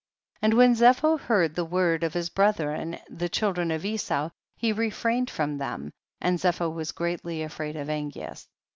20. And when Zepho heard the words of his brethren the children of Esau he refrained from them, and Zepho was greatly afraid of Angeas.